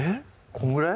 このぐらい？